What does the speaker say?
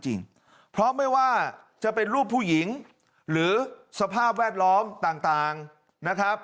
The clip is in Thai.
จริงเพราะไม่ว่าจะเป็นรูปผู้หญิงหรือสภาพแวดล้อมต่างนะครับ